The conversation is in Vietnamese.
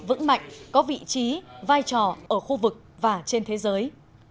vững mạnh có vị trí vai trò ở khu vực và trên thế giới